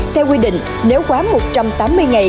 theo quy định nếu quá một trăm tám mươi ngày